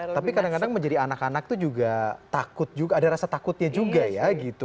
tapi kadang kadang menjadi anak anak itu juga takut ada rasa takutnya juga ya gitu